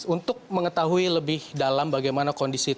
untuk mengetahui lebih dalam bagaimana kondisi tersebut